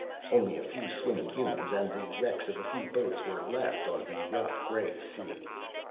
Only a few swimming humans, and the wrecks of a few boats, were left on the rough gray sea.